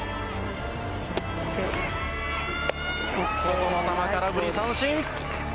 外の球空振り三振。